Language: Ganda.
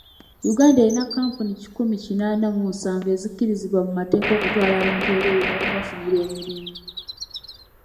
Uganda erina kkampuni kikumi kinaana mu musanvu ezikkirizibwa mu mateeka okutwala abantu ebweru n'okubafunira emirimu.